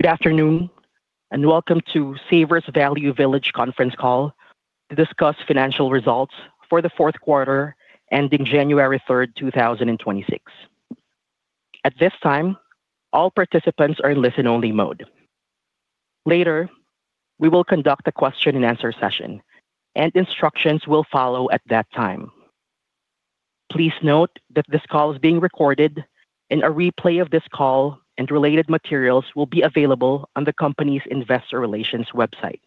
Good afternoon, and welcome to Savers Value Village conference call to discuss financial results for the fourth quarter ending January third, 2026. At this time, all participants are in listen-only mode. Later, we will conduct a question and answer session, and instructions will follow at that time. Please note that this call is being recorded, and a replay of this call and related materials will be available on the company's investor relations website.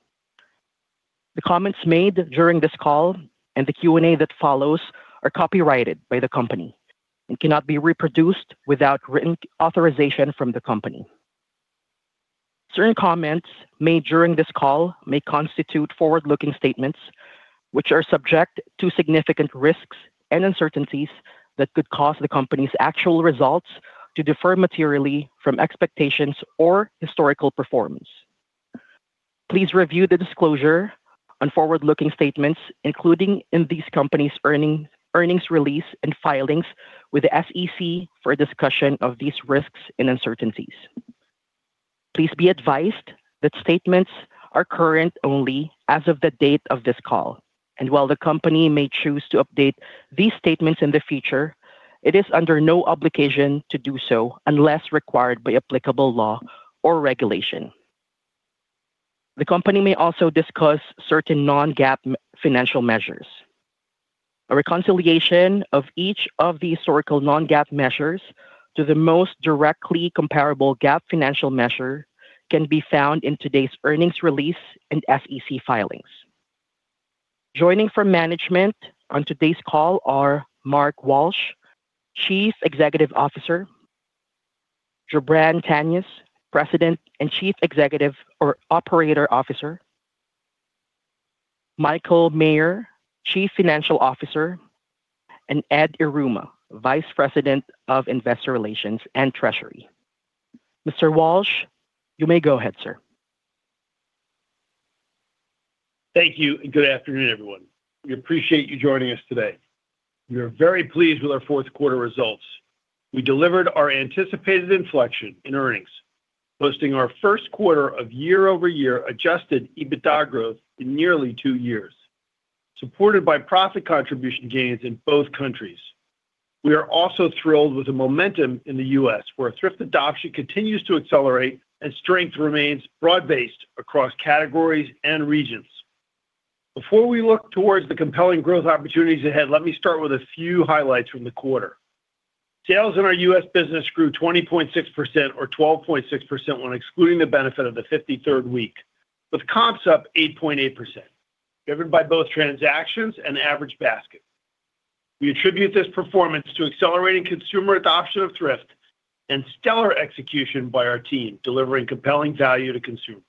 The comments made during this call and the Q&A that follows are copyrighted by the company and cannot be reproduced without written authorization from the company. Certain comments made during this call may constitute forward-looking statements, which are subject to significant risks and uncertainties that could cause the company's actual results to differ materially from expectations or historical performance. Please review the disclosure on forward-looking statements, including in the company's earnings release and filings with the SEC for a discussion of these risks and uncertainties. Please be advised that statements are current only as of the date of this call, and while the company may choose to update these statements in the future, it is under no obligation to do so unless required by applicable law or regulation. The company may also discuss certain non-GAAP financial measures. A reconciliation of each of the historical non-GAAP measures to the most directly comparable GAAP financial measure can be found in today's earnings release and SEC filings. Joining from management on today's call are Mark Walsh, Chief Executive Officer, Jubran Tanious, President and Chief Operating Officer, Michael Maher, Chief Financial Officer, and Ed Yruma, Vice President of Investor Relations and Treasury. Mr. Walsh, you may go ahead, sir. Thank you, and good afternoon, everyone. We appreciate you joining us today. We are very pleased with our fourth quarter results. We delivered our anticipated inflection in earnings, posting our first quarter of year-over-year Adjusted EBITDA growth in nearly two years, supported by profit contribution gains in both countries. We are also thrilled with the momentum in the U.S., where thrift adoption continues to accelerate and strength remains broad-based across categories and regions. Before we look towards the compelling growth opportunities ahead, let me start with a few highlights from the quarter. Sales in our U.S. business grew 20.6% or 12.6% when excluding the benefit of the 53rd week, with comps up 8.8%, driven by both transactions and average basket. We attribute this performance to accelerating consumer adoption of thrift and stellar execution by our team, delivering compelling value to consumers.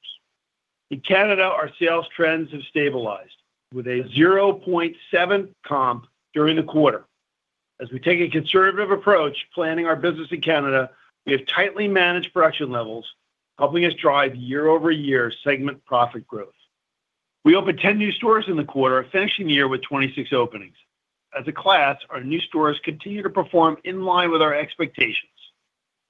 In Canada, our sales trends have stabilized, with a 0.7 comp during the quarter. As we take a conservative approach planning our business in Canada, we have tightly managed production levels, helping us drive year-over-year segment profit growth. We opened 10 new stores in the quarter, finishing the year with 26 openings. As a class, our new stores continue to perform in line with our expectations.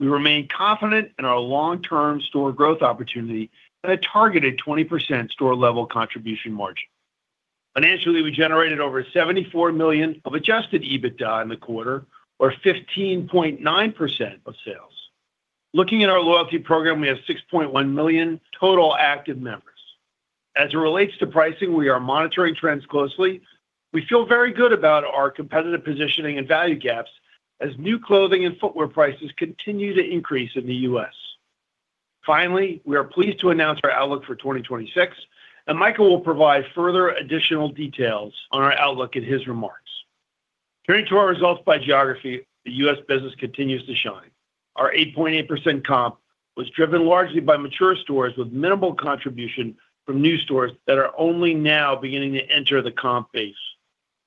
We remain confident in our long-term store growth opportunity and a targeted 20% store level contribution margin. Financially, we generated over $74 million of Adjusted EBITDA in the quarter, or 15.9% of sales. Looking at our loyalty program, we have 6.1 million total active members. As it relates to pricing, we are monitoring trends closely. We feel very good about our competitive positioning and value gaps as new clothing and footwear prices continue to increase in the U.S. Finally, we are pleased to announce our outlook for 2026, and Michael will provide further additional details on our outlook in his remarks. Turning to our results by geography, the U.S. business continues to shine. Our 8.8% comp was driven largely by mature stores with minimal contribution from new stores that are only now beginning to enter the comp base.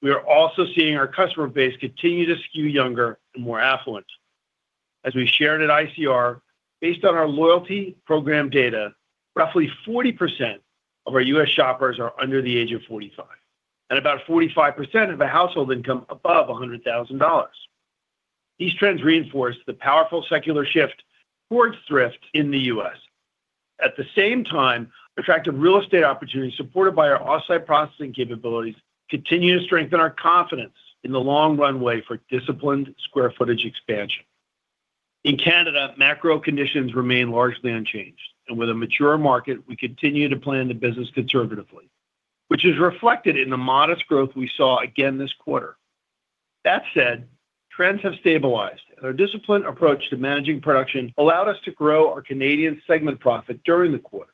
We are also seeing our customer base continue to skew younger and more affluent. As we shared at ICR, based on our loyalty program data, roughly 40% of our U.S. shoppers are under the age of 45, and about 45% have a household income above $100,000. These trends reinforce the powerful secular shift towards thrift in the U.S. At the same time, attractive real estate opportunities, supported by our off-site processing capabilities, continue to strengthen our confidence in the long runway for disciplined square footage expansion. In Canada, macro conditions remain largely unchanged, and with a mature market, we continue to plan the business conservatively, which is reflected in the modest growth we saw again this quarter. That said, trends have stabilized, and our disciplined approach to managing production allowed us to grow our Canadian segment profit during the quarter.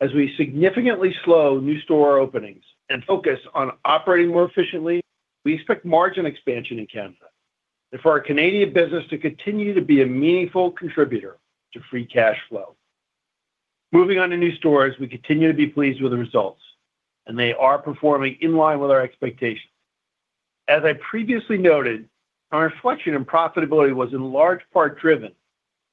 As we significantly slow new store openings and focus on operating more efficiently, we expect margin expansion in Canada and for our Canadian business to continue to be a meaningful contributor to free cash flow. Moving on to new stores, we continue to be pleased with the results, and they are performing in line with our expectations. As I previously noted, our inflection in profitability was in large part driven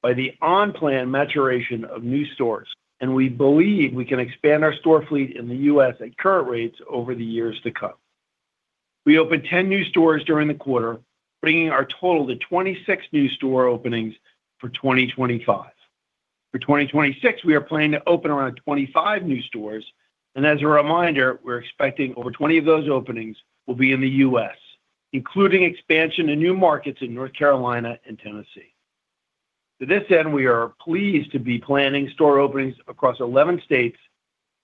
by the on-plan maturation of new stores, and we believe we can expand our store fleet in the U.S. at current rates over the years to come. We opened 10 new stores during the quarter, bringing our total to 26 new store openings for 2025. For 2026, we are planning to open around 25 new stores, and as a reminder, we're expecting over 20 of those openings will be in the U.S., including expansion to new markets in North Carolina and Tennessee. To this end, we are pleased to be planning store openings across 11 states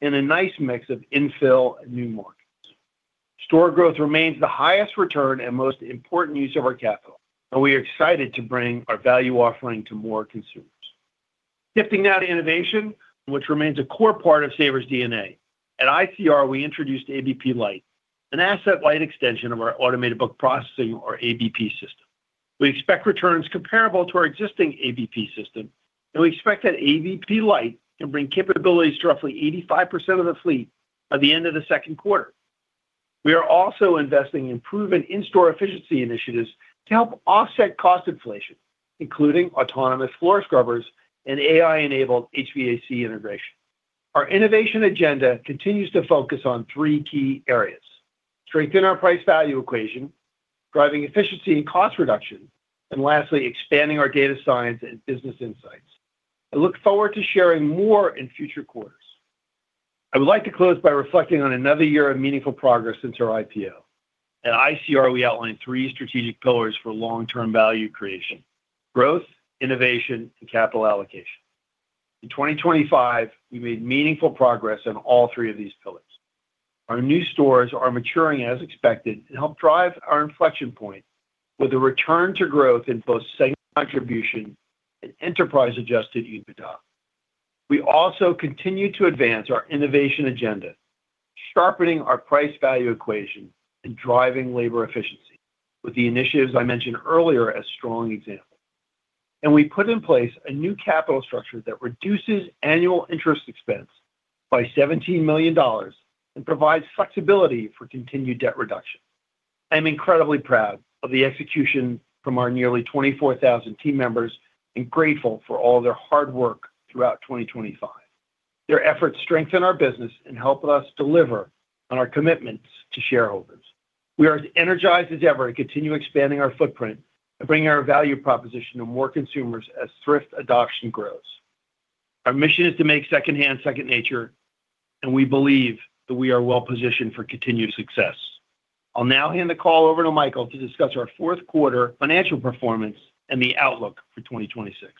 in a nice mix of infill and new markets. Store growth remains the highest return and most important use of our capital, and we are excited to bring our value offering to more consumers. Shifting now to innovation, which remains a core part of Savers' DNA. At ICR, we introduced ABP Lite, an asset-light extension of our automated book processing or ABP system. We expect returns comparable to our existing ABP system, and we expect that ABP Lite can bring capabilities to roughly 85% of the fleet by the end of the second quarter. We are also investing in improvement in-store efficiency initiatives to help offset cost inflation, including autonomous floor scrubbers and AI-enabled HVAC integration. Our innovation agenda continues to focus on three key areas: strengthen our price-value equation, driving efficiency and cost reduction, and lastly, expanding our data science and business insights. I look forward to sharing more in future quarters. I would like to close by reflecting on another year of meaningful progress since our IPO. At ICR, we outlined three strategic pillars for long-term value creation: growth, innovation, and capital allocation. In 2025, we made meaningful progress on all three of these pillars. Our new stores are maturing as expected and helped drive our inflection point with a return to growth in both segment contribution and enterprise-adjusted EBITDA. We also continued to advance our innovation agenda, sharpening our price-value equation and driving labor efficiency with the initiatives I mentioned earlier as strong examples. And we put in place a new capital structure that reduces annual interest expense by $17 million and provides flexibility for continued debt reduction. I'm incredibly proud of the execution from our nearly 24,000 team members and grateful for all their hard work throughout 2025. Their efforts strengthen our business and help us deliver on our commitments to shareholders. We are as energized as ever to continue expanding our footprint and bringing our value proposition to more consumers as thrift adoption grows. Our mission is to make secondhand second nature, and we believe that we are well positioned for continued success. I'll now hand the call over to Michael to discuss our fourth quarter financial performance and the outlook for 2026.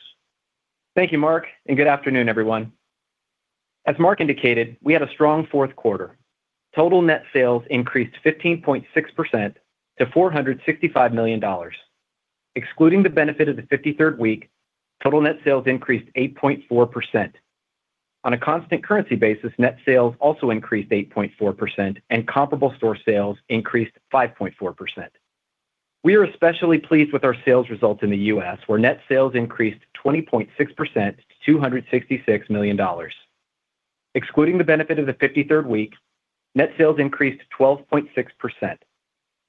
Thank you, Mark, and good afternoon, everyone. As Mark indicated, we had a strong fourth quarter. Total net sales increased 15.6% to $465 million. Excluding the benefit of the 53rd week, total net sales increased 8.4%. On a constant currency basis, net sales also increased 8.4%, and comparable store sales increased 5.4%. We are especially pleased with our sales results in the U.S., where net sales increased 20.6% to $266 million. Excluding the benefit of the 53rd week, net sales increased 12.6%.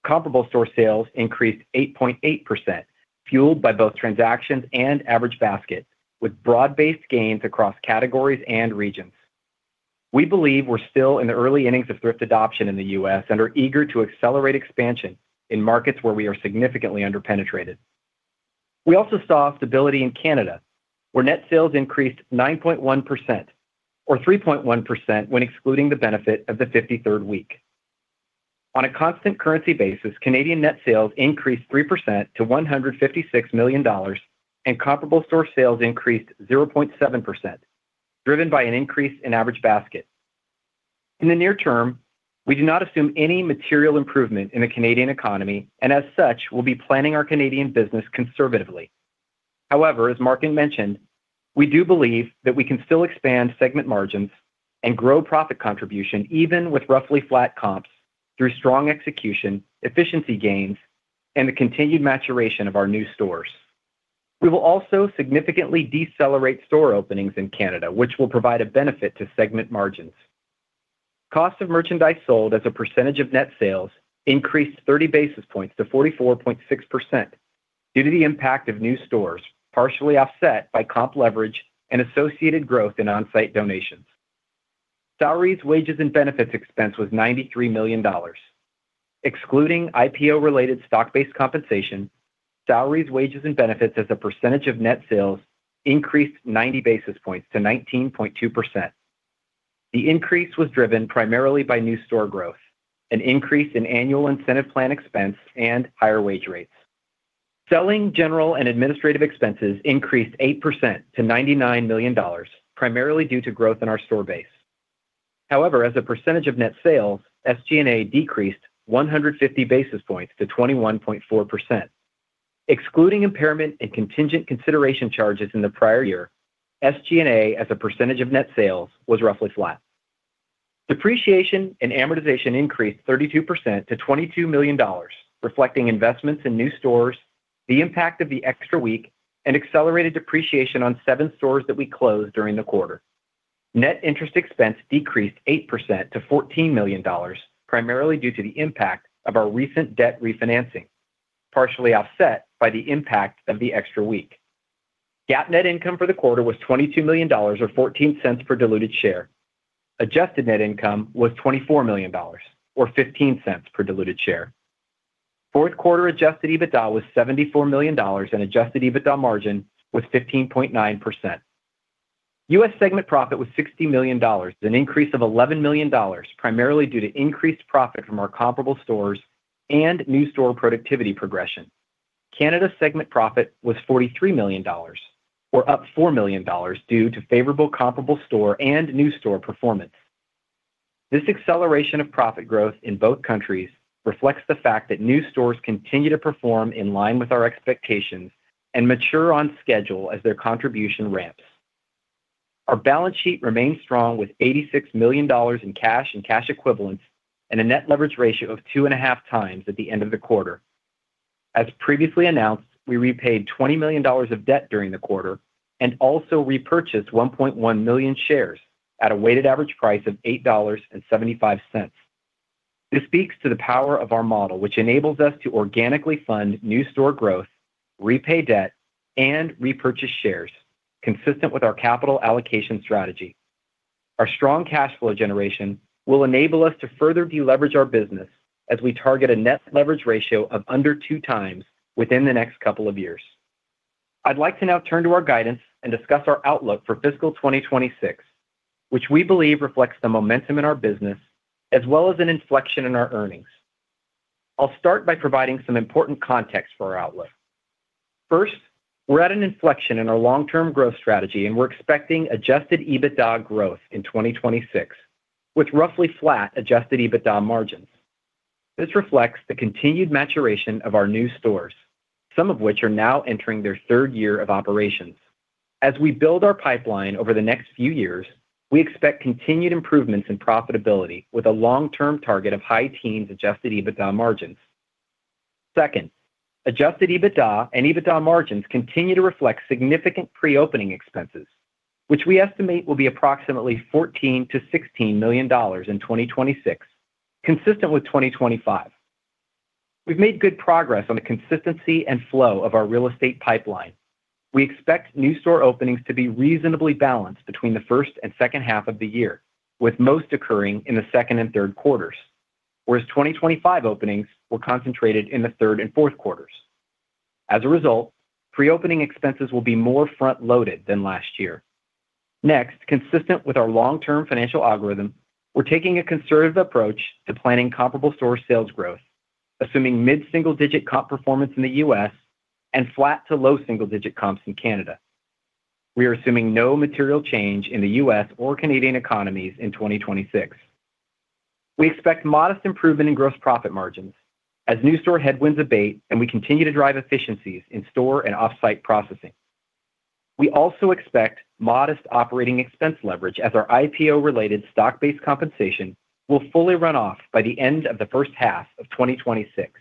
Comparable store sales increased 8.8%, fueled by both transactions and average basket, with broad-based gains across categories and regions. We believe we're still in the early innings of thrift adoption in the U.S. and are eager to accelerate expansion in markets where we are significantly under-penetrated. We also saw stability in Canada, where net sales increased 9.1% or 3.1% when excluding the benefit of the 53rd week. On a constant currency basis, Canadian net sales increased 3% to $156 million, and comparable store sales increased 0.7%, driven by an increase in average basket. In the near term, we do not assume any material improvement in the Canadian economy, and as such, we'll be planning our Canadian business conservatively. However, as Mark mentioned, we do believe that we can still expand segment margins and grow profit contribution, even with roughly flat comps, through strong execution, efficiency gains, and the continued maturation of our new stores. We will also significantly decelerate store openings in Canada, which will provide a benefit to segment margins. Cost of merchandise sold as a percentage of net sales increased 30 basis points to 44.6% due to the impact of new stores, partially offset by comp leverage and associated growth in on-site donations. Salaries, wages, and benefits expense was $93 million. Excluding IPO-related stock-based compensation, salaries, wages, and benefits as a percentage of net sales increased 90 basis points to 19.2%. The increase was driven primarily by new store growth, an increase in annual incentive plan expense, and higher wage rates. Selling, general, and administrative expenses increased 8% to $99 million, primarily due to growth in our store base. However, as a percentage of net sales, SG&A decreased 150 basis points to 21.4%. Excluding impairment and contingent consideration charges in the prior year, SG&A as a percentage of net sales was roughly flat. Depreciation and amortization increased 32% to $22 million, reflecting investments in new stores, the impact of the extra week, and accelerated depreciation on seven stores that we closed during the quarter. Net interest expense decreased 8% to $14 million, primarily due to the impact of our recent debt refinancing, partially offset by the impact of the extra week. GAAP net income for the quarter was $22 million, or $0.14 per diluted share. Adjusted net income was $24 million, or $0.15 per diluted share. Fourth quarter Adjusted EBITDA was $74 million, and Adjusted EBITDA margin was 15.9%. U.S. segment profit was $60 million, an increase of $11 million, primarily due to increased profit from our comparable stores and new store productivity progression. Canada segment profit was $43 million, or up $4 million due to favorable comparable store and new store performance. This acceleration of profit growth in both countries reflects the fact that new stores continue to perform in line with our expectations and mature on schedule as their contribution ramps. Our balance sheet remains strong, with $86 million in cash and cash equivalents and a net leverage ratio of 2.5x at the end of the quarter. As previously announced, we repaid $20 million of debt during the quarter and also repurchased 1.1 million shares at a weighted average price of $8.75. This speaks to the power of our model, which enables us to organically fund new store growth, repay debt, and repurchase shares, consistent with our capital allocation strategy. Our strong cash flow generation will enable us to further deleverage our business as we target a net leverage ratio of under 2x within the next couple of years. I'd like to now turn to our guidance and discuss our outlook for fiscal 2026, which we believe reflects the momentum in our business as well as an inflection in our earnings. I'll start by providing some important context for our outlook. First, we're at an inflection in our long-term growth strategy, and we're expecting adjusted EBITDA growth in 2026, with roughly flat adjusted EBITDA margins. This reflects the continued maturation of our new stores, some of which are now entering their third year of operations. As we build our pipeline over the next few years, we expect continued improvements in profitability with a long-term target of high teens adjusted EBITDA margins. Second, adjusted EBITDA and EBITDA margins continue to reflect significant pre-opening expenses, which we estimate will be approximately $14 million-$16 million in 2026, consistent with 2025. We've made good progress on the consistency and flow of our real estate pipeline. We expect new store openings to be reasonably balanced between the first and second half of the year, with most occurring in the second and third quarters, whereas 2025 openings were concentrated in the third and fourth quarters. As a result, pre-opening expenses will be more front-loaded than last year. Next, consistent with our long-term financial algorithm, we're taking a conservative approach to planning comparable store sales growth, assuming mid-single-digit comp performance in the U.S. and flat to low single-digit comps in Canada. We are assuming no material change in the U.S. or Canadian economies in 2026. We expect modest improvement in gross profit margins as new store headwinds abate and we continue to drive efficiencies in store and off-site processing. We also expect modest operating expense leverage as our IPO-related stock-based compensation will fully run off by the end of the first half of 2026.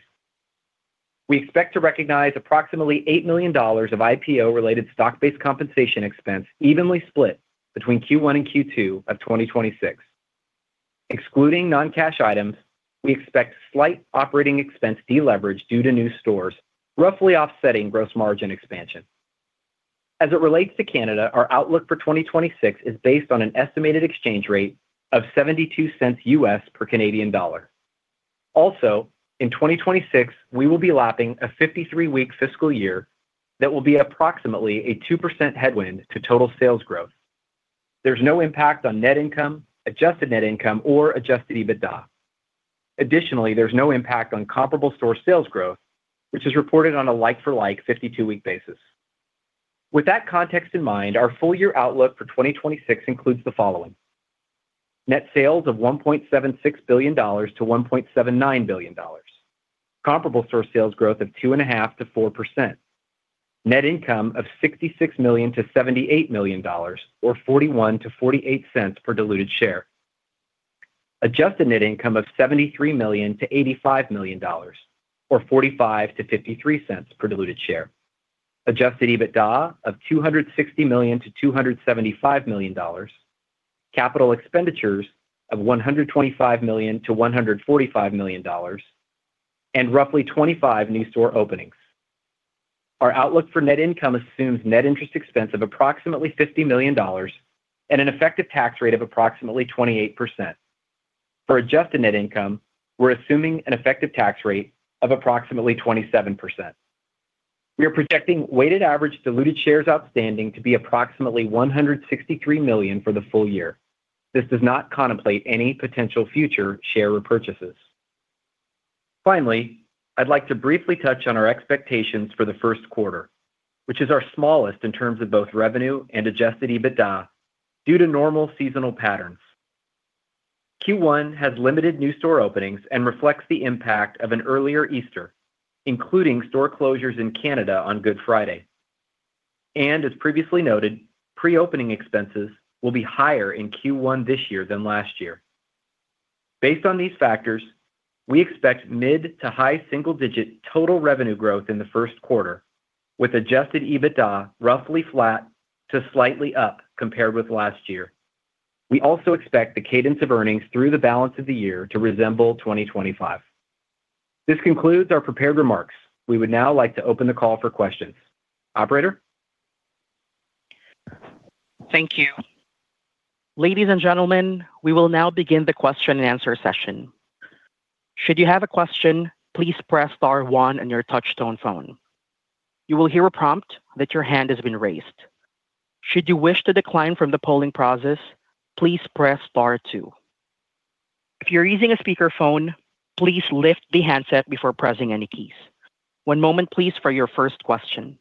We expect to recognize approximately $8 million of IPO-related stock-based compensation expense evenly split between Q1 and Q2 of 2026. Excluding non-cash items, we expect slight operating expense deleverage due to new stores, roughly offsetting gross margin expansion. As it relates to Canada, our outlook for 2026 is based on an estimated exchange rate of $0.72 USD per CAD. Also, in 2026, we will be lapping a 53-week fiscal year that will be approximately a 2% headwind to total sales growth. There's no impact on net income, adjusted net income or Adjusted EBITDA. Additionally, there's no impact on Comparable Store Sales growth, which is reported on a like-for-like 52-week basis. With that context in mind, our full-year outlook for 2026 includes the following: net sales of $1.76 billion-$1.79 billion, comparable store sales growth of 2.5%-4%, net income of $66 million-$78 million, or $0.41-$0.48 per diluted share, adjusted net income of $73 million-$85 million, or $0.45-$0.53 per diluted share, Adjusted EBITDA of $260 million-$275 million, capital expenditures of $125 million-$145 million, and roughly 25 new store openings. Our outlook for net income assumes net interest expense of approximately $50 million and an effective tax rate of approximately 28%. For adjusted net income, we're assuming an effective tax rate of approximately 27%. We are projecting weighted average diluted shares outstanding to be approximately 163 million for the full year. This does not contemplate any potential future share repurchases. Finally, I'd like to briefly touch on our expectations for the first quarter, which is our smallest in terms of both revenue and Adjusted EBITDA due to normal seasonal patterns. Q1 has limited new store openings and reflects the impact of an earlier Easter, including store closures in Canada on Good Friday. As previously noted, pre-opening expenses will be higher in Q1 this year than last year. Based on these factors, we expect mid- to high-single-digit total revenue growth in the first quarter, with Adjusted EBITDA roughly flat to slightly up compared with last year. We also expect the cadence of earnings through the balance of the year to resemble 2025. This concludes our prepared remarks. We would now like to open the call for questions. Operator? Thank you. Ladies and gentlemen, we will now begin the question and answer session. Should you have a question, please press star one on your touchtone phone. You will hear a prompt that your hand has been raised. Should you wish to decline from the polling process, please press star two. If you're using a speakerphone, please lift the handset before pressing any keys. One moment, please, for your first question.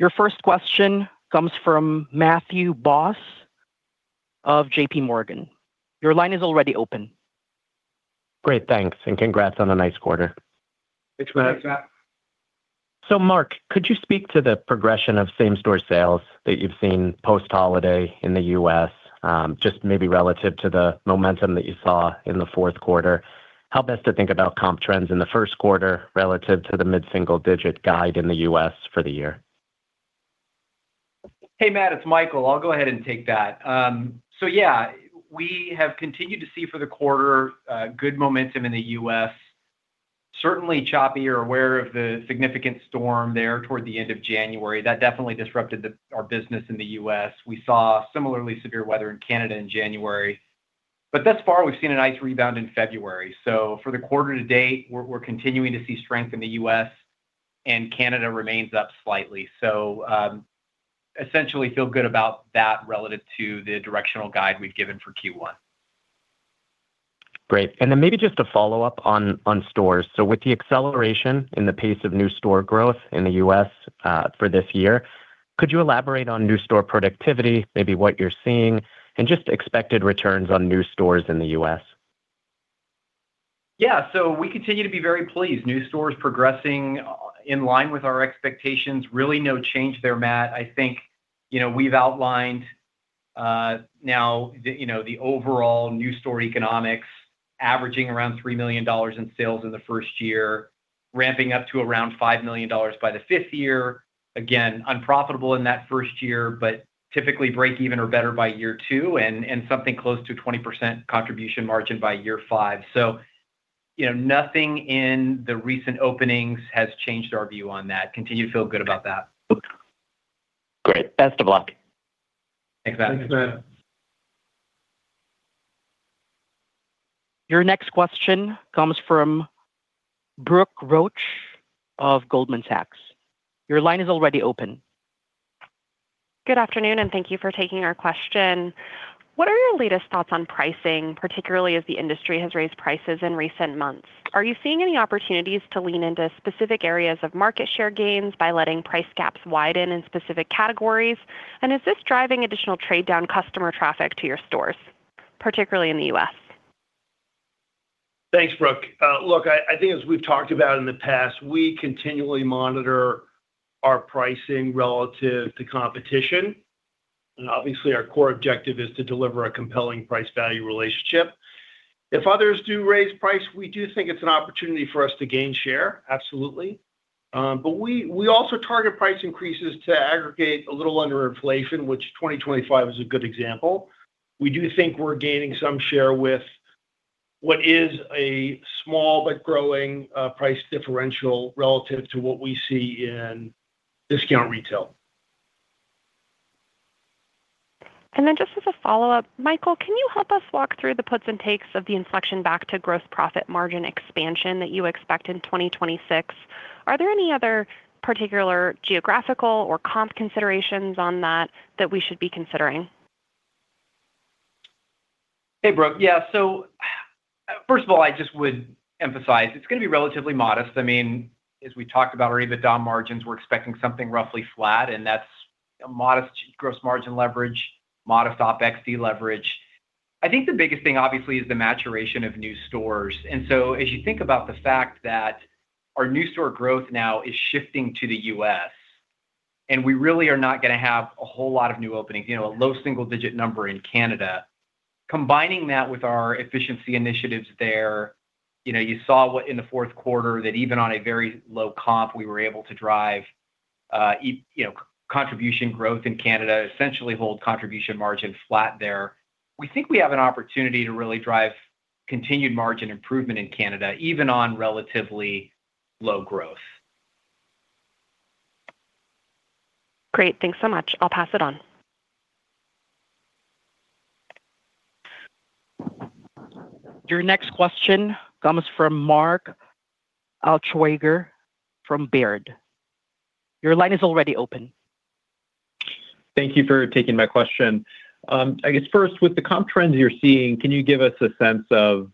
Your first question comes from Matthew Boss of JPMorgan. Your line is already open. Great, thanks, and congrats on a nice quarter. Thanks, Matt. So, Mark, could you speak to the progression of same-store sales that you've seen post-holiday in the U.S., just maybe relative to the momentum that you saw in the fourth quarter? How best to think about comp trends in the first quarter relative to the mid-single digit guide in the U.S. for the year? Hey, Matt, it's Michael. I'll go ahead and take that. So yeah, we have continued to see for the quarter good momentum in the U.S. Certainly, choppy, you're aware of the significant storm there toward the end of January. That definitely disrupted our business in the U.S. We saw similarly severe weather in Canada in January, but thus far, we've seen a nice rebound in February. So for the quarter to date, we're continuing to see strength in the U.S., and Canada remains up slightly. So, essentially feel good about that relative to the directional guide we've given for Q1. Great. And then maybe just a follow-up on stores. So with the acceleration in the pace of new store growth in the U.S., for this year, could you elaborate on new store productivity, maybe what you're seeing, and just expected returns on new stores in the U.S.? Yeah. So we continue to be very pleased. New stores progressing in line with our expectations. Really, no change there, Matt. I think, you know, we've outlined now the, you know, the overall new store economics, averaging around $3 million in sales in the first year, ramping up to around $5 million by the fifth year. Again, unprofitable in that first year, but typically break even or better by year two, and, and something close to 20% contribution margin by year five. So, you know, nothing in the recent openings has changed our view on that. Continue to feel good about that. Great. Best of luck. Thanks, Matt. Thanks, Matt. Your next question comes from Brooke Roach of Goldman Sachs. Your line is already open. Good afternoon, and thank you for taking our question. What are your latest thoughts on pricing, particularly as the industry has raised prices in recent months? Are you seeing any opportunities to lean into specific areas of market share gains by letting price gaps widen in specific categories? And is this driving additional trade-down customer traffic to your stores, particularly in the US? Thanks, Brooke. Look, I think as we've talked about in the past, we continually monitor our pricing relative to competition, and obviously, our core objective is to deliver a compelling price-value relationship. If others do raise price, we do think it's an opportunity for us to gain share, absolutely. But we also target price increases to aggregate a little under inflation, which 2025 is a good example. We do think we're gaining some share with what is a small but growing price differential relative to what we see in discount retail. And then just as a follow-up, Michael, can you help us walk through the puts and takes of the inflection back to gross profit margin expansion that you expect in 2026? Are there any other particular geographical or comp considerations on that, that we should be considering? Hey, Brooke. Yeah. So, first of all, I just would emphasize, it's gonna be relatively modest. I mean, as we talked about our EBITDA margins, we're expecting something roughly flat, and that's a modest gross margin leverage, modest OpEx deleverage. I think the biggest thing, obviously, is the maturation of new stores. And so as you think about the fact that our new store growth now is shifting to the U.S., and we really are not gonna have a whole lot of new openings, you know, a low single-digit number in Canada. Combining that with our efficiency initiatives there, you know, you saw what in the fourth quarter, that even on a very low comp, we were able to drive, you know, contribution growth in Canada, essentially hold contribution margin flat there. We think we have an opportunity to really drive continued margin improvement in Canada, even on relatively low growth. Great. Thanks so much. I'll pass it on. Your next question comes from Mark Altschwager from Baird. Your line is already open. Thank you for taking my question. I guess first, with the comp trends you're seeing, can you give us a sense of,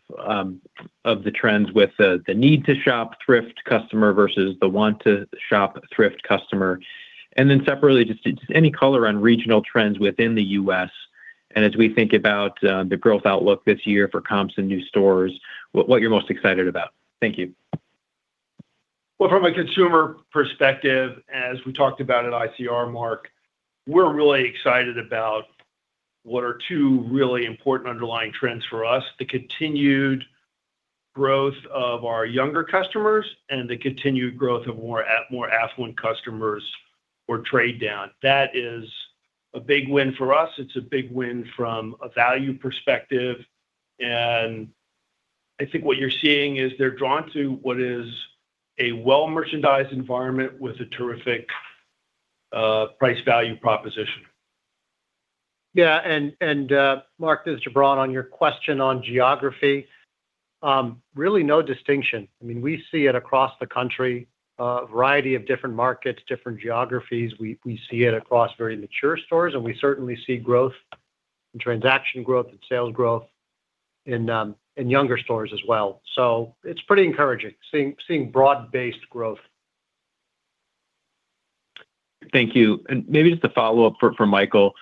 of the trends with the, the need to shop thrift customer versus the want to shop thrift customer? And then separately, just any color on regional trends within the U.S., and as we think about, the growth outlook this year for comps and new stores, what, what you're most excited about? Thank you. Well, from a consumer perspective, as we talked about at ICR, Mark, we're really excited about what are two really important underlying trends for us. The continued,... growth of our younger customers and the continued growth of more, more affluent customers or trade down. That is a big win for us. It's a big win from a value perspective, and I think what you're seeing is they're drawn to what is a well-merchandised environment with a terrific price value proposition. Yeah, and Mark, this is Jubran. On your question on geography, really no distinction. I mean, we see it across the country, a variety of different markets, different geographies. We see it across very mature stores, and we certainly see growth and transaction growth and sales growth in younger stores as well. So it's pretty encouraging, seeing broad-based growth. Thank you. Maybe just a follow-up for Michael.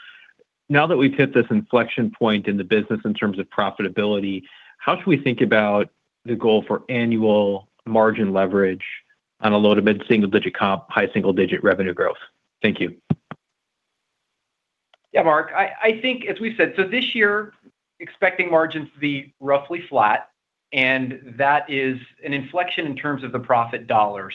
Now that we've hit this inflection point in the business in terms of profitability, how should we think about the goal for annual margin leverage on a low-to-mid single-digit comp, high single-digit revenue growth? Thank you. Yeah, Mark, I think as we said, so this year, expecting margins to be roughly flat, and that is an inflection in terms of the profit dollars.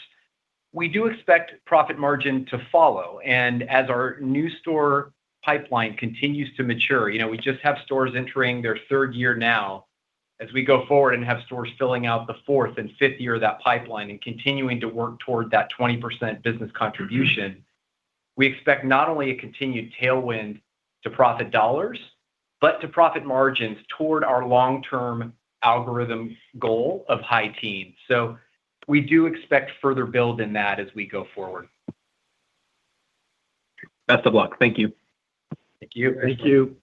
We do expect profit margin to follow, and as our new store pipeline continues to mature, you know, we just have stores entering their third year now. As we go forward and have stores filling out the fourth and fifth year of that pipeline and continuing to work toward that 20% business contribution, we expect not only a continued tailwind to profit dollars, but to profit margins toward our long-term algorithm goal of high teens%. So we do expect further build in that as we go forward. Best of luck. Thank you. Thank you. Thank you.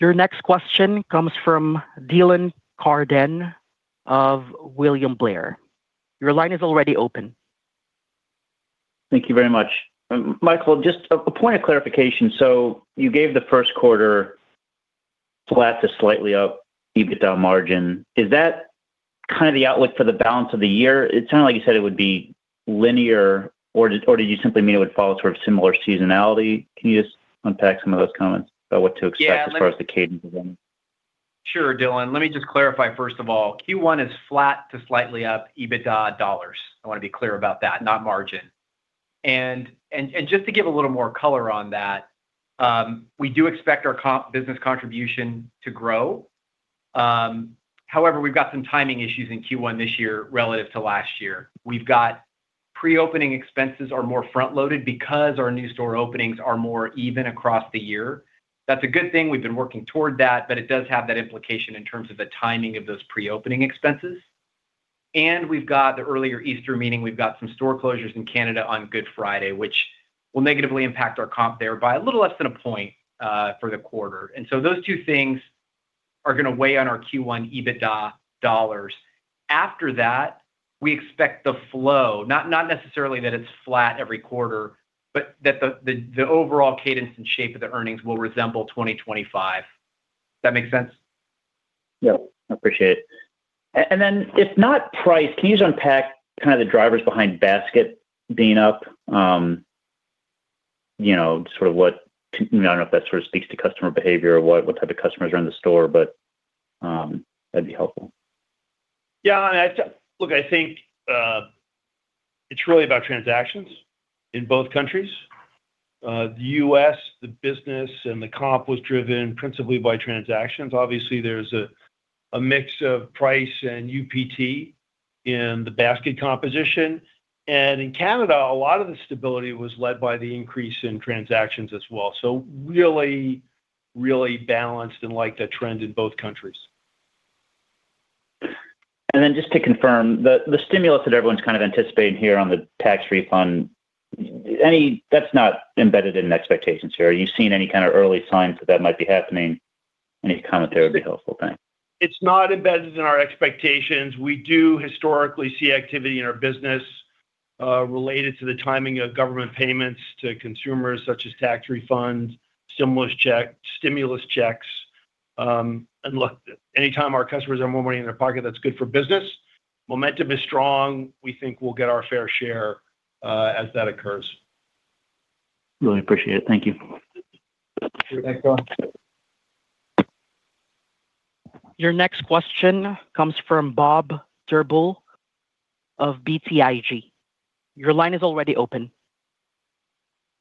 Your next question comes from Dylan Carden of William Blair. Your line is already open. Thank you very much. Michael, just a point of clarification: so you gave the first quarter flat to slightly up EBITDA margin. Is that kind of the outlook for the balance of the year? It sounded like you said it would be linear, or did you simply mean it would follow sort of similar seasonality? Can you just unpack some of those comments about what to expect? Yeah, let- as far as the cadence is going? Sure, Dylan. Let me just clarify, first of all, Q1 is flat to slightly up EBITDA dollars. I want to be clear about that, not margin. And just to give a little more color on that, we do expect our comp business contribution to grow. However, we've got some timing issues in Q1 this year relative to last year. We've got pre-opening expenses are more front-loaded because our new store openings are more even across the year. That's a good thing. We've been working toward that, but it does have that implication in terms of the timing of those pre-opening expenses. And we've got the earlier Easter, meaning we've got some store closures in Canada on Good Friday, which will negatively impact our comp there by a little less than a point for the quarter. And so those two things are gonna weigh on our Q1 EBITDA dollars. After that, we expect the flow, not necessarily that it's flat every quarter, but that the overall cadence and shape of the earnings will resemble 2025. Does that make sense? Yep. I appreciate it. And then, if not price, can you just unpack kinda the drivers behind basket being up? You know, sort of what... I don't know if that sort of speaks to customer behavior or what, what type of customers are in the store, but that'd be helpful. Yeah, and. Look, I think it's really about transactions in both countries. The U.S., the business and the comps was driven principally by transactions. Obviously, there's a mix of price and UPT in the basket composition, and in Canada, a lot of the stability was led by the increase in transactions as well. So really, really balanced and liked the trend in both countries. And then just to confirm, the stimulus that everyone's kind of anticipating here on the tax refund, any, that's not embedded in expectations here. Are you seeing any kind of early signs that that might be happening? Any commentary would be helpful. Thanks. It's not embedded in our expectations. We do historically see activity in our business related to the timing of government payments to consumers, such as tax refunds, stimulus check, stimulus checks. And look, anytime our customers have more money in their pocket, that's good for business. Momentum is strong. We think we'll get our fair share as that occurs. Really appreciate it. Thank you. Thank you. Bye, Dylan. Your next question comes from Bob Drbul of BTIG. Your line is already open.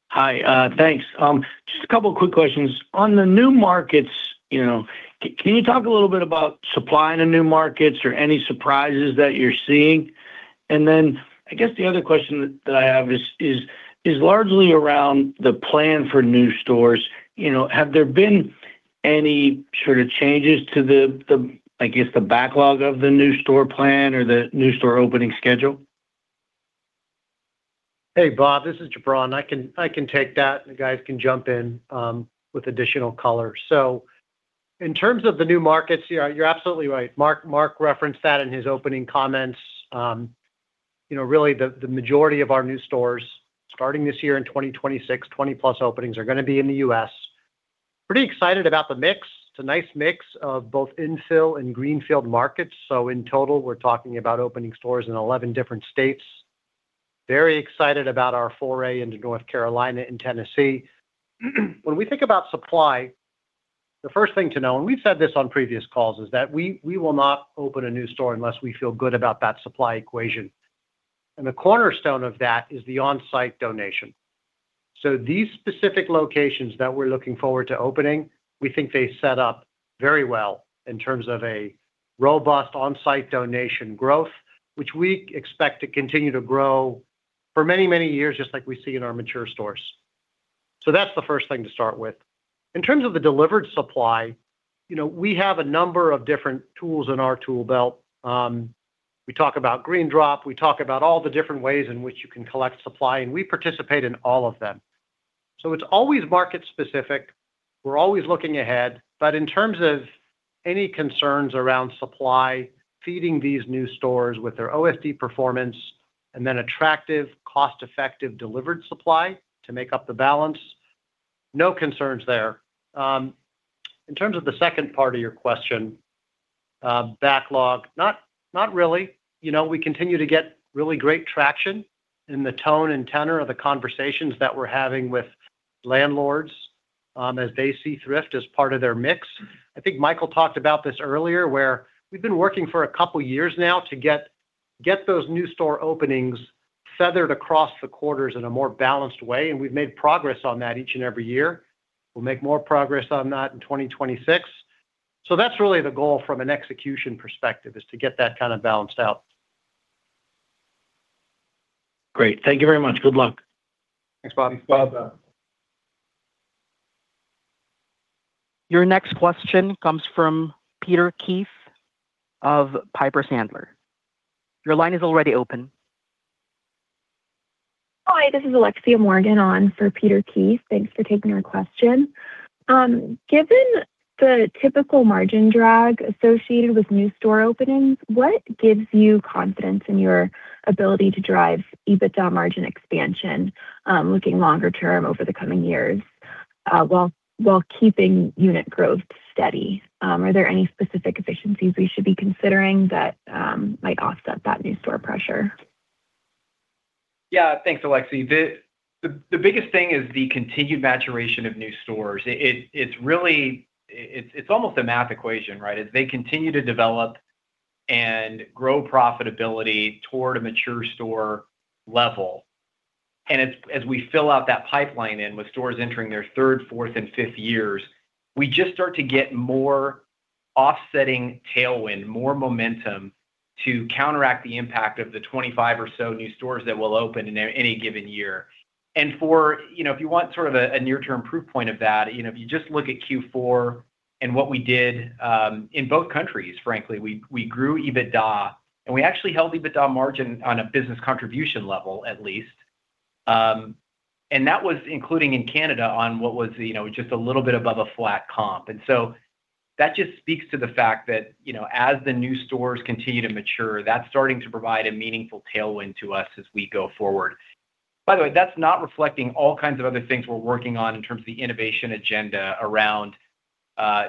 Hi, thanks. Just a couple of quick questions. On the new markets, you know, can you talk a little bit about supply in the new markets or any surprises that you're seeing? And then I guess the other question that I have is largely around the plan for new stores. You know, have there been any sort of changes to the, I guess, the backlog of the new store plan or the new store opening schedule? Hey, Bob, this is Jubran. I can take that, and the guys can jump in with additional color. So in terms of the new markets, you are—you're absolutely right. Mark referenced that in his opening comments. You know, really, the majority of our new stores starting this year in 2026, 20+ openings are gonna be in the U.S. Pretty excited about the mix. It's a nice mix of both infill and greenfield markets. So in total, we're talking about opening stores in 11 different states. Very excited about our foray into North Carolina and Tennessee. When we think about supply, the first thing to know, and we've said this on previous calls, is that we will not open a new store unless we feel good about that supply equation, and the cornerstone of that is the on-site donation. So these specific locations that we're looking forward to opening, we think they set up very well in terms of a robust on-site donation growth, which we expect to continue to grow for many, many years, just like we see in our mature stores. So that's the first thing to start with. In terms of the delivered supply, you know, we have a number of different tools in our tool belt. We talk about GreenDrop, we talk about all the different ways in which you can collect supply, and we participate in all of them. So it's always market specific. We're always looking ahead, but in terms of any concerns around supply, feeding these new stores with their OSD performance and then attractive, cost-effective, delivered supply to make up the balance, no concerns there. In terms of the second part of your question, backlog, not really. You know, we continue to get really great traction in the tone and tenor of the conversations that we're having with landlords, as they see thrift as part of their mix. I think Michael talked about this earlier, where we've been working for a couple of years now to get those new store openings feathered across the quarters in a more balanced way, and we've made progress on that each and every year. We'll make more progress on that in 2026. So that's really the goal from an execution perspective, is to get that kinda balanced out. Great. Thank you very much. Good luck. Thanks, Bobby. Well done. Your next question comes from Peter Keith of Piper Sandler. Your line is already open. Hi, this is Alexia Morgan on for Peter Keith. Thanks for taking our question. Given the typical margin drag associated with new store openings, what gives you confidence in your ability to drive EBITDA margin expansion, looking longer term over the coming years, while keeping unit growth steady? Are there any specific efficiencies we should be considering that might offset that new store pressure? Yeah. Thanks, Alexia. The biggest thing is the continued maturation of new stores. It's really... It's almost a math equation, right? As they continue to develop and grow profitability toward a mature store level, and as we fill out that pipeline in with stores entering their third, fourth, and fifth years, we just start to get more offsetting tailwind, more momentum to counteract the impact of the 25 or so new stores that will open in any given year. And for, you know, if you want sort of a near-term proof point of that, you know, if you just look at Q4 and what we did in both countries, frankly, we grew EBITDA, and we actually held EBITDA margin on a business contribution level, at least. And that was including in Canada, on what was, you know, just a little bit above a flat comp. And so that just speaks to the fact that, you know, as the new stores continue to mature, that's starting to provide a meaningful tailwind to us as we go forward. By the way, that's not reflecting all kinds of other things we're working on in terms of the innovation agenda around,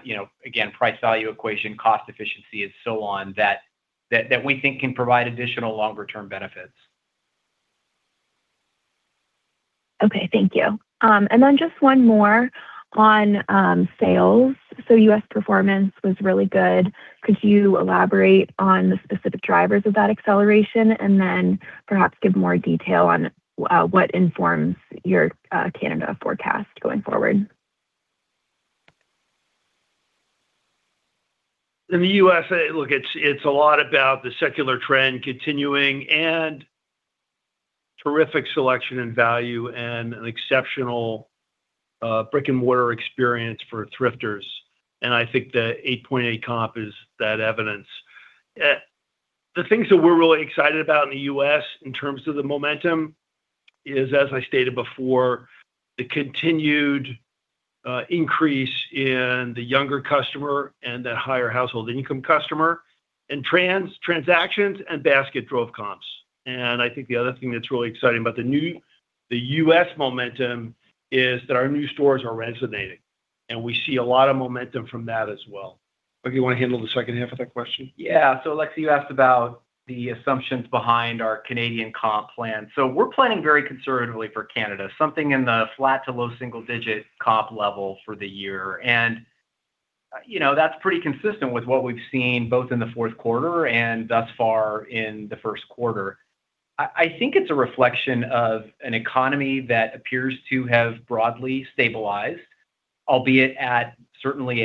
you know, again, price value, equation, cost efficiency, and so on, that we think can provide additional longer-term benefits. Okay. Thank you. And then just one more on sales. So U.S. performance was really good. Could you elaborate on the specific drivers of that acceleration? And then perhaps give more detail on what informs your Canada forecast going forward? In the U.S., look, it's a lot about the secular trend continuing and terrific selection and value and an exceptional brick-and-mortar experience for thrifters, and I think the 8.8 comp is that evidence. The things that we're really excited about in the U.S. in terms of the momentum is, as I stated before, the continued increase in the younger customer and the higher household income customer, and transactions and basket drove comps. And I think the other thing that's really exciting about the U.S. momentum is that our new stores are resonating, and we see a lot of momentum from that as well. Michael, you wanna handle the second half of that question? Yeah. Alexia, you asked about the assumptions behind our Canadian comp plan. We're planning very conservatively for Canada, something in the flat to low single-digit comp level for the year. You know, that's pretty consistent with what we've seen both in the fourth quarter and thus far in the first quarter. I think it's a reflection of an economy that appears to have broadly stabilized, albeit at certainly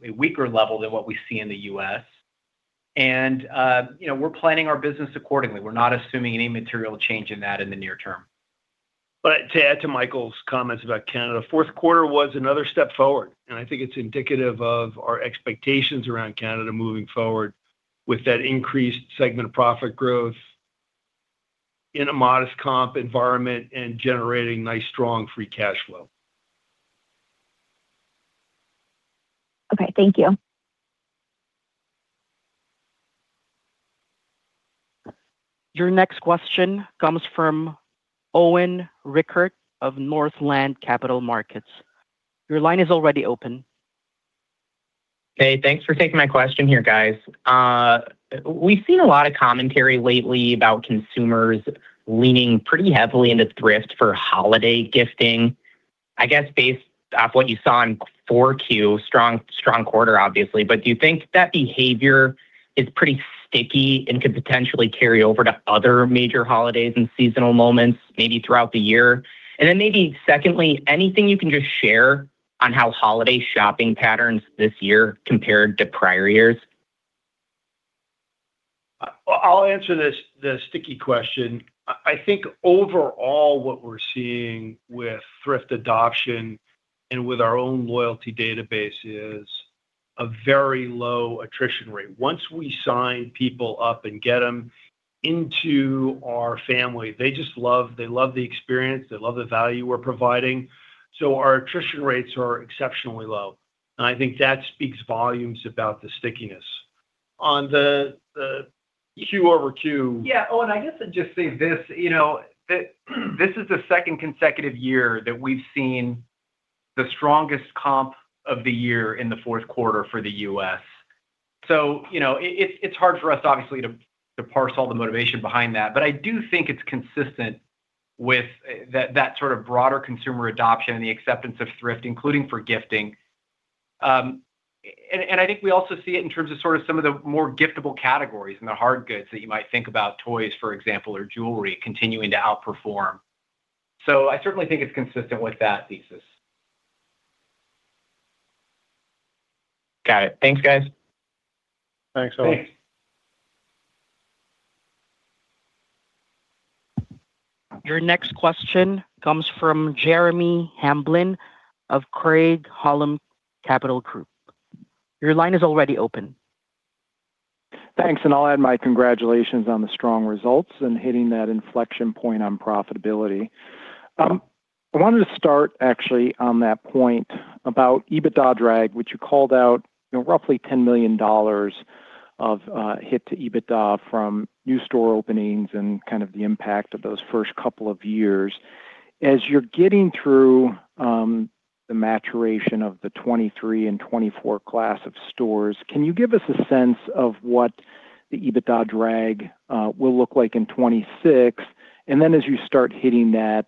a weaker level than what we see in the U.S. You know, we're planning our business accordingly. We're not assuming any material change in that in the near term. To add to Michael's comments about Canada, fourth quarter was another step forward, and I think it's indicative of our expectations around Canada moving forward with that increased segment of profit growth in a modest comp environment and generating nice, strong free cash flow. Okay. Thank you. Your next question comes from Owen Rickert of Northland Capital Markets. Your line is already open.... Hey, thanks for taking my question here, guys. We've seen a lot of commentary lately about consumers leaning pretty heavily into thrift for holiday gifting. I guess based off what you saw in Q4, strong, strong quarter, obviously, but do you think that behavior is pretty sticky and could potentially carry over to other major holidays and seasonal moments, maybe throughout the year? And then maybe secondly, anything you can just share on how holiday shopping patterns this year compared to prior years? I'll answer this, the sticky question. I think overall, what we're seeing with thrift adoption and with our own loyalty database is a very low attrition rate. Once we sign people up and get them into our family, they just love, they love the experience, they love the value we're providing. So our attrition rates are exceptionally low, and I think that speaks volumes about the stickiness. On the, the Q over Q- Yeah. Oh, and I guess I'd just say this, you know, that this is the second consecutive year that we've seen the strongest comp of the year in the fourth quarter for the U.S. So, you know, it, it's hard for us, obviously, to, to parse all the motivation behind that. But I do think it's consistent with, that, that sort of broader consumer adoption and the acceptance of thrift, including for gifting. And, and I think we also see it in terms of sort of some of the more giftable categories and the hard goods that you might think about, toys, for example, or jewelry, continuing to outperform. So I certainly think it's consistent with that thesis. Got it. Thanks, guys. Thanks, Owen. Thanks. Your next question comes from Jeremy Hamblin of Craig-Hallum Capital Group. Your line is already open. Thanks, and I'll add my congratulations on the strong results and hitting that inflection point on profitability. I wanted to start actually on that point about EBITDA drag, which you called out, you know, roughly $10 million of hit to EBITDA from new store openings and kind of the impact of those first couple of years. As you're getting through the maturation of the 2023 and 2024 class of stores, can you give us a sense of what the EBITDA drag will look like in 2026? And then as you start hitting that,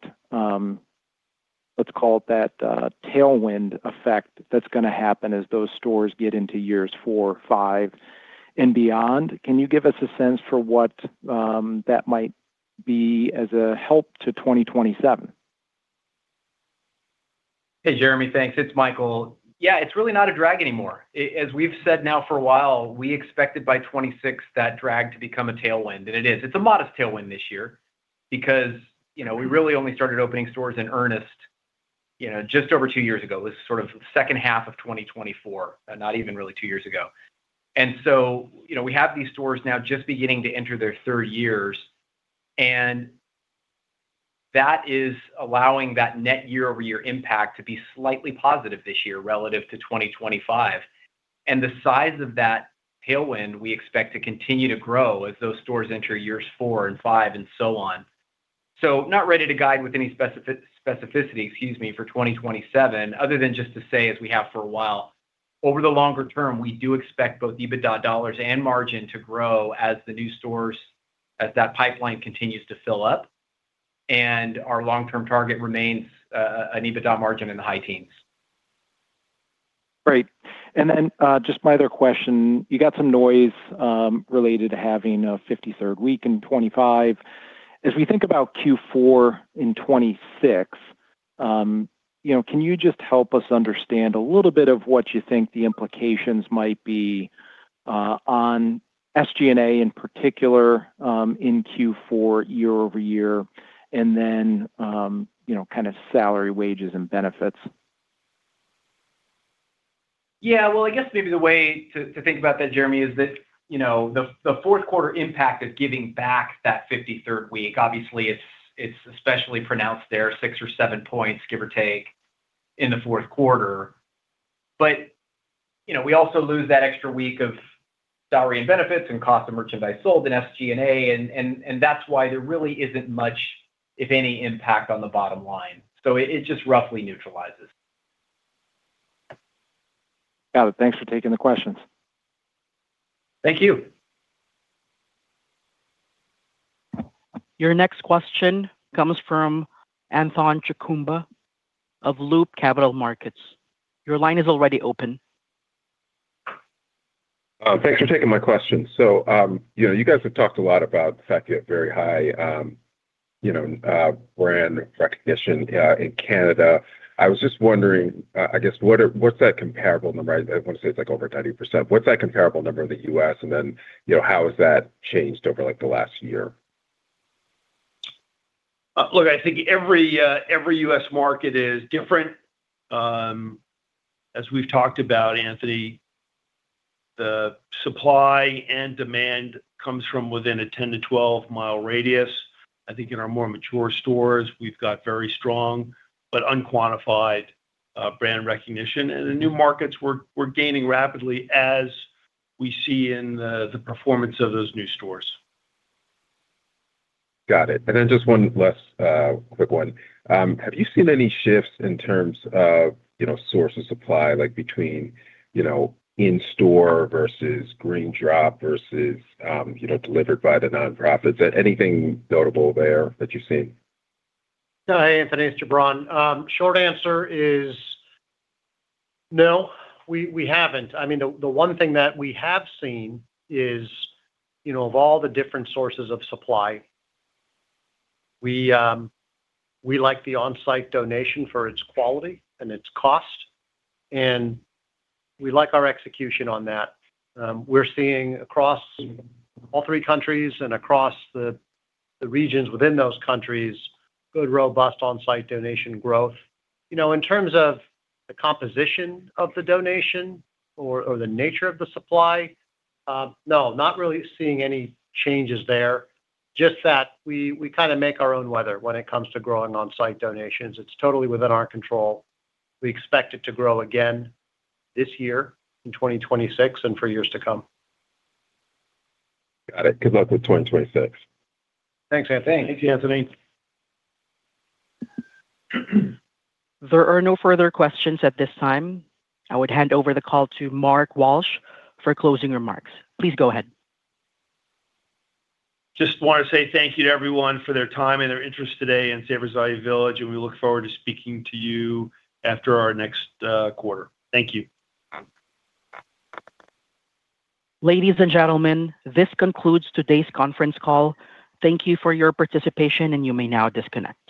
let's call it that tailwind effect, that's going to happen as those stores get into years four, five, and beyond. Can you give us a sense for what that might be as a help to 2027? Hey, Jeremy. Thanks. It's Michael. Yeah, it's really not a drag anymore. As we've said now for a while, we expected by 2026 that drag to become a tailwind, and it is. It's a modest tailwind this year because, you know, we really only started opening stores in earnest, you know, just over two years ago. It was sort of second half of 2024, not even really two years ago. And so, you know, we have these stores now just beginning to enter their third years, and that is allowing that net year-over-year impact to be slightly positive this year relative to 2025. And the size of that tailwind, we expect to continue to grow as those stores enter years four and five and so on. Not ready to guide with any specificity, excuse me, for 2027, other than just to say, as we have for a while, over the longer term, we do expect both EBITDA dollars and margin to grow as the new stores, as that pipeline continues to fill up, and our long-term target remains an EBITDA margin in the high teens. Great. And then, just my other question, you got some noise related to having a 53rd week in 2025. As we think about Q4 in 2026, you know, can you just help us understand a little bit of what you think the implications might be on SG&A, in particular, in Q4 year-over-year, and then, you know, kind of salary, wages, and benefits? Yeah, well, I guess maybe the way to think about that, Jeremy, is that, you know, the fourth quarter impact of giving back that 53rd week, obviously, it's especially pronounced there, six or seven points, give or take, in the fourth quarter. But, you know, we also lose that extra week of salary and benefits and cost of merchandise sold and SG&A, and that's why there really isn't much, if any, impact on the bottom line. So it just roughly neutralizes. Got it. Thanks for taking the questions. Thank you. Your next question comes from Anthony Chukumba of Loop Capital Markets. Your line is already open. Thanks for taking my question. So, you know, you guys have talked a lot about the fact you have very high brand recognition in Canada. I was just wondering, I guess, what's that comparable number? I want to say it's, like, over 30%. What's that comparable number in the U.S., and then, you know, how has that changed over, like, the last year? Look, I think every U.S. market is different. As we've talked about, Anthony, the supply and demand comes from within a 10-12-mile radius. I think in our more mature stores, we've got very strong but unquantified brand recognition. The new markets we're gaining rapidly as we see in the performance of those new stores. Got it. And then just one last, quick one. Have you seen any shifts in terms of, you know, source of supply, like between, you know, in-store versus GreenDrop versus, you know, delivered by the nonprofits? Anything notable there that you've seen? No. Hey, Anthony, it's Jubran. Short answer is no, we haven't. I mean, the one thing that we have seen is, you know, of all the different sources of supply, we like the on-site donation for its quality and its cost, and we like our execution on that. We're seeing across all three countries and across the regions within those countries, good, robust on-site donation growth. You know, in terms of the composition of the donation or the nature of the supply, no, not really seeing any changes there. Just that we kinda make our own weather when it comes to growing on-site donations. It's totally within our control. We expect it to grow again this year in 2026 and for years to come. Got it. Good luck with 2026. Thanks, Anthony. Thanks, Anthony. There are no further questions at this time. I would hand over the call to Mark Walsh for closing remarks. Please go ahead. Just want to say thank you to everyone for their time and their interest today in Savers Value Village, and we look forward to speaking to you after our next quarter. Thank you. Ladies and gentlemen, this concludes today's conference call. Thank you for your participation, and you may now disconnect.